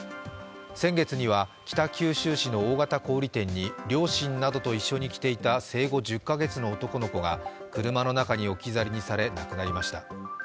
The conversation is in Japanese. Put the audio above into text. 先月には北九州市の大型小売店に両親などと一緒に来ていた生後１０か月の男の子が車の中に置き去りにされ、亡くなりました。